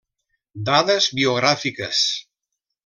Dades biogràfiques.